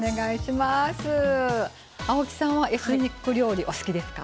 青木さんはエスニック料理お好きですか？